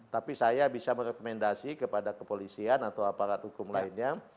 tapi saya bisa merekomendasi kepada kepolisian atau aparat hukum lainnya